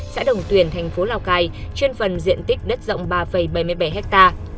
xã đồng tuyển thành phố lào cai chuyên phần diện tích đất rộng ba bảy mươi bảy hectare